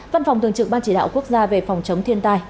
văn phòng thường trực ban chỉ đạo quốc gia về phòng chống thiên tai